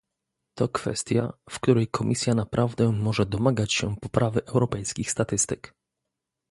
To kwestia, w której Komisja naprawdę może domagać się poprawy europejskich statystyk